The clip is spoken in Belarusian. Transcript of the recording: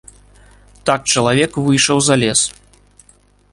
Так чалавек выйшаў за лес.